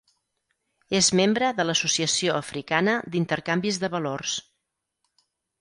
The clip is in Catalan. És membre de l"Associació Africana d"Intercanvis de Valors.